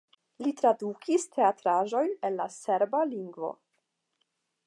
Li tradukis teatraĵojn el la serba lingvo.